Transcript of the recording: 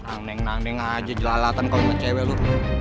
nangdeng nangdeng aja jelalatan kau sama cewek lo